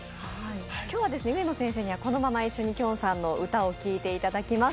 今日は上野先生にはこのままきょさんの歌を聴いていただきます。